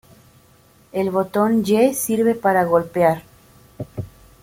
El botón "Y" sirve para golpear.